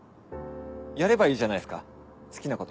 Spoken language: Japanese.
やればいいじゃないっすか好きなこと。